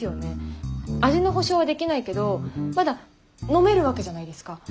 味の保証はできないけどまだ飲めるわけじゃないですか。